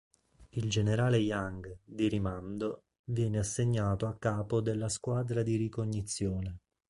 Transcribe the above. Il generale Yang, di rimando, viene assegnato a capo della squadra di ricognizione.